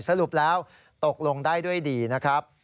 สรุปแล้วตกลงได้ด้วยดีนะครับ